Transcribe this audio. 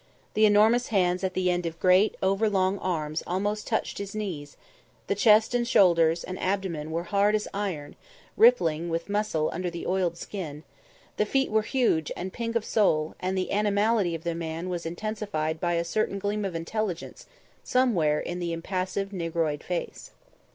The enormous hands at the end of great, over long arms almost touched his knees; the chest and shoulders and abdomen were hard as iron, rippling with muscle under the oiled skin; the feet were huge and pink of sole, and the animality of the man was intensified by a certain gleam of intelligence somewhere in the impassive negroid face.